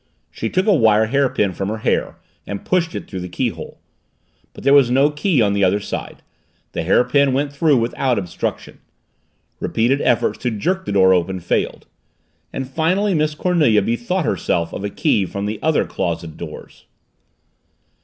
She took a wire hairpin from her hair and pushed it through the keyhole. But there was no key on the other side; the hairpin went through without obstruction. Repeated efforts to jerk the door open failed. And finally Miss Cornelia bethought herself of a key from the other closet doors.